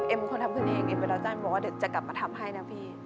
เอ็มเป็นคนทำเครื่องเองเอ็มไปรับจ้างบอกว่าเดี๋ยวจะกลับมาทำให้นะพี่